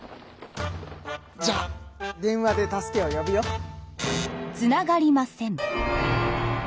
じゃあ電話で助けをよぶよ。つながりません。